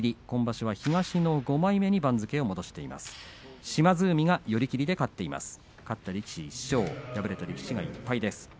今場所は東の５枚目に番付を戻しています。